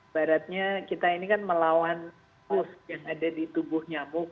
baratnya kita ini kan melawan virus yang ada di tubuh nyamuk